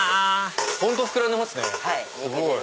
本当膨らんでますね！